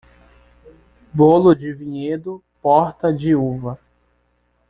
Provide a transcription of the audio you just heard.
Bolo de vinhedo, porta de uva.